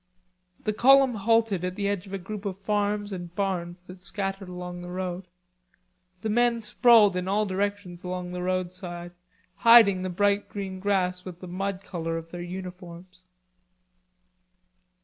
The column halted at the edge of a group of farms and barns that scattered along the road. The men sprawled in all directions along the roadside hiding the bright green grass with the mud color of their uniforms.